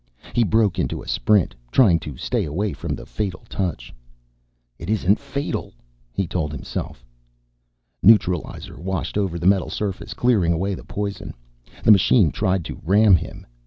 He broke into a sprint, trying to stay away from the fatal touch. It isn't fatal, he told himself. Neutralizer washed over the metal surface, clearing away the poison. The machine tried to ram him.